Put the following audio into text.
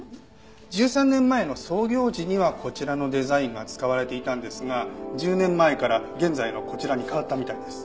１３年前の創業時にはこちらのデザインが使われていたんですが１０年前から現在のこちらに変わったみたいです。